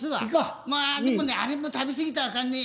まあでもねあれも食べ過ぎたらあかんね。